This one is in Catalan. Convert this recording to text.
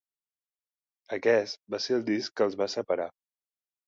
Aquest va ser el disc que els va separar.